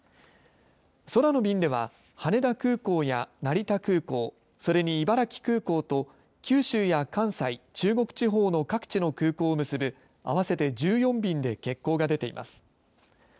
空の便では羽田空港や成田空港、それに茨城空港と九州や関西、中国地方の各地の空港を結ぶ合わせて１４便で欠航が出ています。